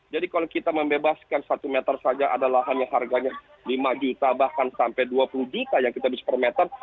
jadi kalau kita membebaskan satu meter saja ada lahan yang harganya lima juta bahkan sampai dua puluh juta yang kita bisa per meter